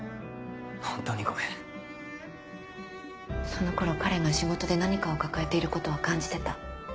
本当にごめんその頃彼が仕事で何かを抱えていることは感じてた。